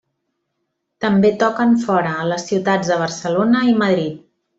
També toquen fora, a les ciutats de Barcelona i Madrid.